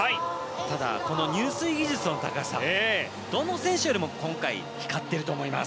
ただ、この入水技術の高さどの選手よりも今回光っていると思います。